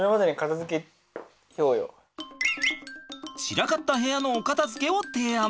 散らかった部屋のお片づけを提案。